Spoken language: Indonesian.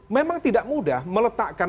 memang tidak mudah meletakkan